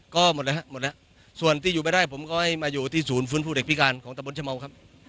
ก็หมดแล้วฮะหมดแล้วส่วนที่อยู่ไม่ได้ผมก็ให้มาอยู่ที่ศูนย์ฟื้นฟูเด็กพิการของตะบนชะเมาครับ